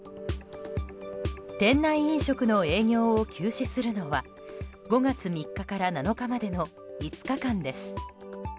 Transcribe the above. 店内飲食の営業を休止するのは５月３日から７日までの５日間です。